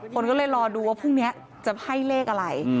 คนก็เลยรอดูว่าพรุ่งนี้จะให้เลขอะไร